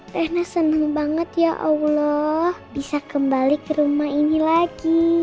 karena senang banget ya allah bisa kembali ke rumah ini lagi